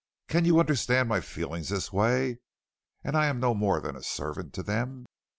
Can you understand my feeling this way, and I no more than a servant to them?"